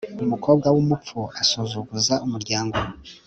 umukobwa w'umupfu asuzuguza umuryango